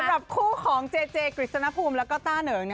สำหรับคู่ของเจเจกฤษณภูมิแล้วก็ต้าเหนิง